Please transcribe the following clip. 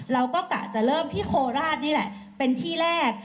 กะจะเริ่มที่โคราชนี่แหละเป็นที่แรก